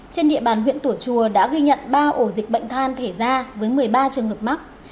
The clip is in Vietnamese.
trên địa bàn huyện tổ chùa đã ghi nhận ba ổ dịch bệnh than thể ra với một mươi ba trường hợp mắc